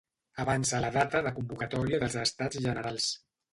Avança la data de convocatòria dels Estats Generals.